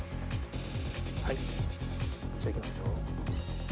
はいじゃあいきますよ。